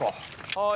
はい。